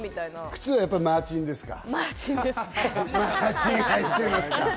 靴はやっぱりマーチンですか？